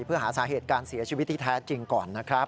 เพื่อหาสาเหตุการเสียชีวิตที่แท้จริงก่อนนะครับ